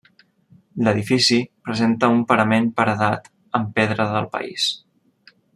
L'edifici presenta un parament paredat amb pedra del país.